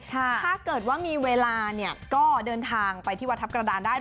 ถ้าเกิดว่ามีเวลาก็เดินทางไปที่วัดทัพกระดานได้